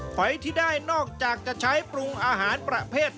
หอยที่ได้นอกจากจะใช้ปรุงอาหารประเภท